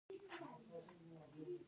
نو دوی ځمکې په وړو ټوټو وویشلې.